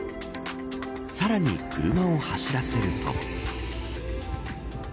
さらに車を走らせると。